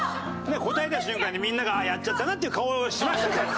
答えた瞬間にみんなが「ああやっちゃったな」っていう顔をしましたから。